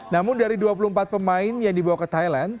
namun dari dua puluh empat pemain yang dibawa ke thailand